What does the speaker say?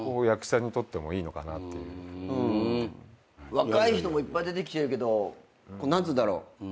若い人もいっぱい出てきてるけどこう何つうんだろう。